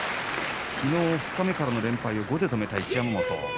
きのう二日目からの連敗を５で止めた一山本。